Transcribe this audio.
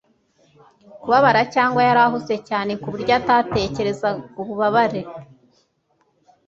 kubabara cyangwa yari ahuze cyane kuburyo atatekereza ububabare